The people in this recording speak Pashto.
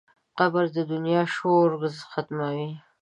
قبر د دنیا شور ختموي.